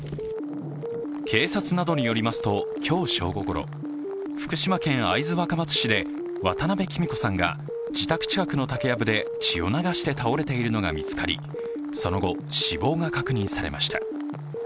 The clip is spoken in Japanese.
警察などによりますと今日正午ごろ福島県会津若松市で渡部キミ子さんが自宅近くの竹やぶで血を流して倒れているのが見つかり、その後、死亡が確認されました。